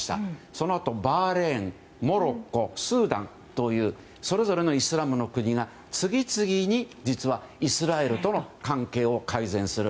そのあとバーレーンモロッコ、スーダンというそれぞれのイスラムの国が次々にイスラエルとの関係を改善する。